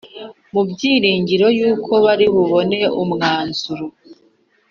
Mu byiringiro yuko bari bubone umwanzuro